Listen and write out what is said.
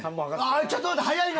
ちょっと待って速いな！